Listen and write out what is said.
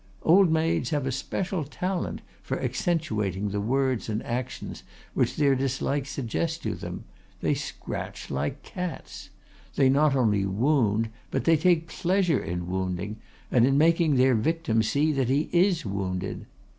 Old maids have a special talent for accentuating the words and actions which their dislikes suggest to them. They scratch like cats. They not only wound but they take pleasure in wounding, and in making their victim see that he is wounded.